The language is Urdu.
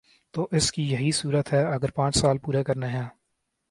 تو اس کی یہی صورت ہے اگر پانچ سال پورے کرنے ہیں۔